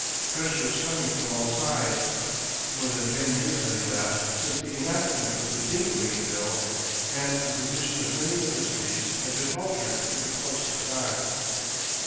Pressure was coming from all sides. More than ten years had elapsed since the enactment of the Dingley bill and the position of many industries had been altered with the course of time.